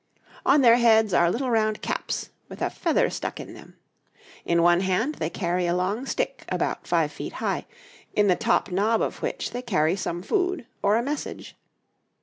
On their heads are little round caps, with a feather stuck in them. In one hand they carry a long stick about 5 feet high, in the top knob of which they carry some food or a message.